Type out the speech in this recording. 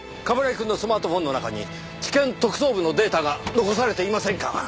冠城くんのスマートフォンの中に地検特捜部のデータが残されていませんか？